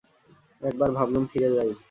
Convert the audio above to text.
একবার ভাবলুম ফিরে যাই।